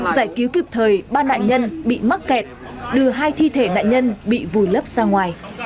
giải cứu kịp thời ba nạn nhân bị mắc kẹt đưa hai thi thể nạn nhân bị vùi lấp ra ngoài